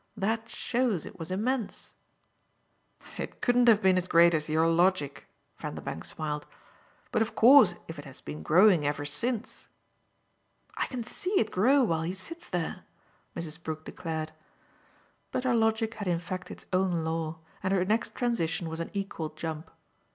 That shows it was immense." "It couldn't have been as great as your logic," Vanderbank smiled; "but of course if it has been growing ever since !" "I can see it grow while he sits there," Mrs. Brook declared. But her logic had in fact its own law, and her next transition was an equal jump.